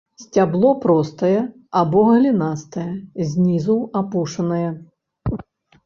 Сцябло простае або галінастае, знізу апушанае.